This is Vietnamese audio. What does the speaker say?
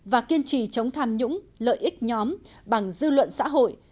và kiên trì chống tham nhũng lợi ích nhóm bằng dư luận xã hội